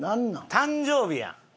誕生日やん！